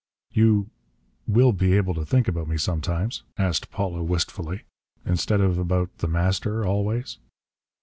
"You will be able to think about me sometimes," asked Paula wistfully, "instead of about The Master always?"